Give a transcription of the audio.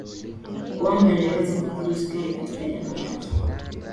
wanga inaweza kuathiri sukari katika damu yake